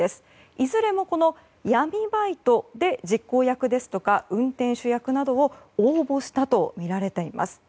いずれも闇バイトで実行役ですとか運転手役などに応募したとみられています。